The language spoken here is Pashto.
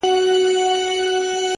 هره تجربه نوی اړخ ښکاره کوي,